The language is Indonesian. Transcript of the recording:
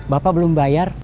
bapak belum bayar